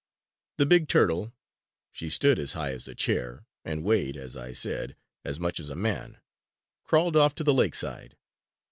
The big turtle she stood as high as a chair and weighed, as I said, as much as a man crawled off to the lakeside.